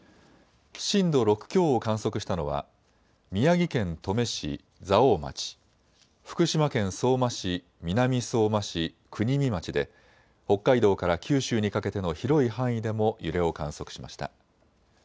震度６強を観測したのは宮城県登米市、蔵王町、福島県相馬市、南相馬市、国見町で北海道から九州にかけての広い範囲でも揺れを観測しました。